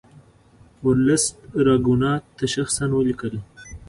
ورلسټ راګونات ته شخصا ولیکل.